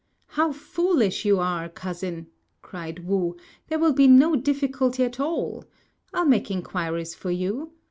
"How foolish you are, cousin," cried Wu; "there will be no difficulty at all, I'll make inquiries for you.